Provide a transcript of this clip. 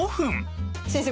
先生